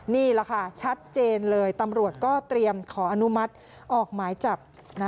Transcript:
นี่แหละค่ะชัดเจนเลยตำรวจก็เตรียมขออนุมัติออกหมายจับ